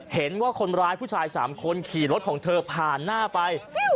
เห็นว่าคนร้ายผู้ชาย๓คนขี่รถของเธอผ่านหน้าไป